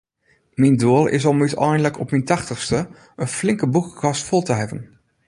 Myn doel is om úteinlik, op myn tachtichste, in flinke boekekast fol te hawwen.